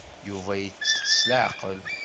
Yuba yettett s leɛqel.